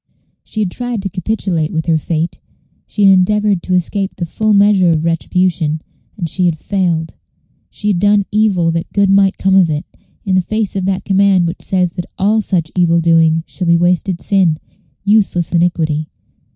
She had tried to capitulate with her fate; she had endeavored to escape the full measure of retribution, and she had failed. She had done evil that good might come of it, in the face of that command which says that all such evil doing shall be wasted sin, useless iniquity.